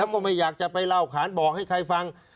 ก็ไม่อยากจะไปเล่าขานบอกให้ใครฟัง